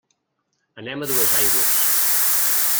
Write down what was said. Anem a Duesaigües.